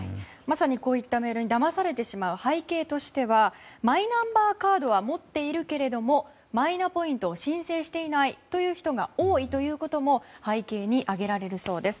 こういったメールに騙されてしまう背景としてはマイナンバーカードは持っているけれどもマイナポイントを申請していない人が多いということも背景に挙げられるそうです。